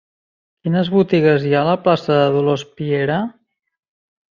Quines botigues hi ha a la plaça de Dolors Piera?